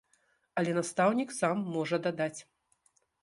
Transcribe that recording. Але настаўнік сам можа дадаць.